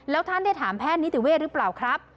แล้วท่านได้ถามแพทย์นิติเวทย์หรือเปล่าครับ